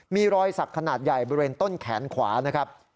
มีรอยสักขนาดใหญ่บริเวณต้นแขนขวานะครับ